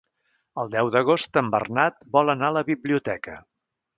El deu d'agost en Bernat vol anar a la biblioteca.